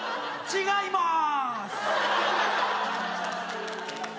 違います！